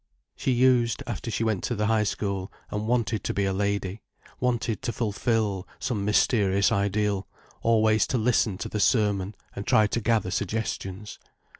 She used, after she went to the High School, and wanted to be a lady, wanted to fulfil some mysterious ideal, always to listen to the sermon and to try to gather suggestions.